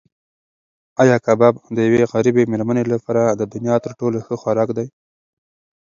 ایا کباب د یوې غریبې مېرمنې لپاره د دنیا تر ټولو ښه خوراک دی؟